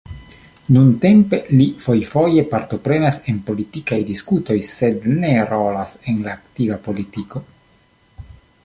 Nuntempe li fojfoje partoprenas en politikaj diskutoj, sed ne rolas en la aktiva politiko.